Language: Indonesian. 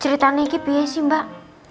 ceritanya ini biaya sih mbak